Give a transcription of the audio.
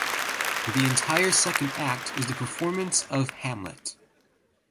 The entire second act is the performance of "Hamlet".